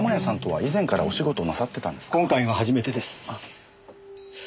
今回が初めてです。